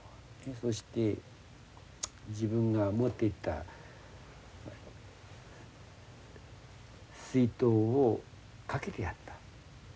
そして自分が持っていった水筒をかけてやった。